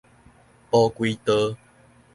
蒲葵道